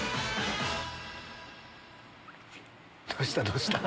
どうした？